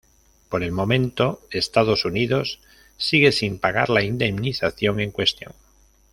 Por el momento, Estados Unidos sigue sin pagar la indemnización en cuestión.